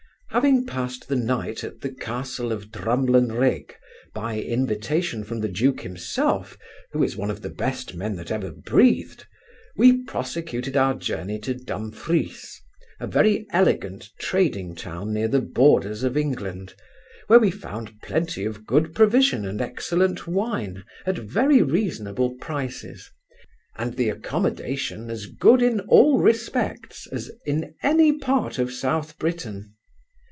Having passed the night at the castle of Drumlanrig, by invitation from the duke himself, who is one of the best men that ever breathed, we prosecuted our journey to Dumfries, a very elegant trading town near the borders of England, where we found plenty of good provision and excellent wine, at very reasonable prices, and the accommodation as good in all respects as in any part of South Britain.